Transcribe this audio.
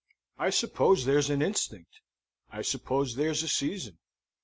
I suppose there's an instinct. I suppose there's a season.